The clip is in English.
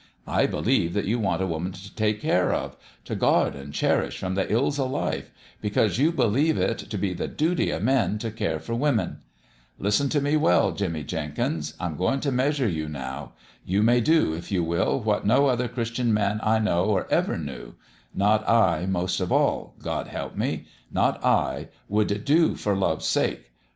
I believe that you want a woman t' take care of t' guard an' cherish from the ills o' life because you believe it t' be the duty o' men t' care for women. Listen t' me well, Jimmie Jen kins : I'm goin' t' measure you, now. You may do, if you will, what no other Christian man I know or ever knew not I, most of all, God help 208 That MEASURE of LOVE me ! not I would do for Love's sake.